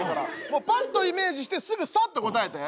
もうパッとイメージしてすぐサッと答えて。